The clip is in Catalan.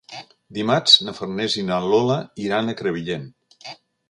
Dimarts na Farners i na Lola iran a Crevillent.